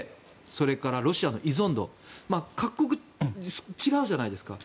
それからロシアの依存度各国違うじゃないですか。